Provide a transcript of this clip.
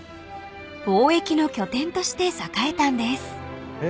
［貿易の拠点として栄えたんです］へ。